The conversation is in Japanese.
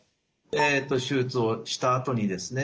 えっと手術をしたあとにですね